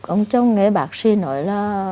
ông chồng nghe bác sĩ nói là